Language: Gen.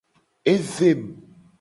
Evem.